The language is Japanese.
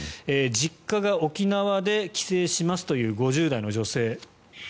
実家が沖縄で帰省しますという５０代の女性。